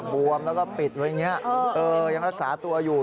บวมแล้วก็ปิดไว้อย่างนี้ยังรักษาตัวอยู่